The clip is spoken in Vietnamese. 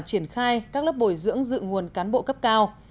triển khai các lớp bồi dưỡng dự nguồn cán bộ cấp cao